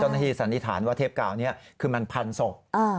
เจ้าหน้าที่สันนิษฐานว่าเทปกาวเนี้ยคือมันพันศพอ่า